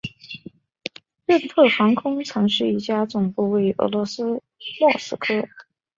任特航空曾是一家总部位于俄罗斯莫斯科西南行政区的航空公司。